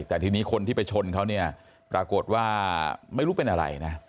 แต่ทีนี้คนที่ไปชนเขาเนี่ยปรากฏว่าไม่รู้เป็นอะไรนะ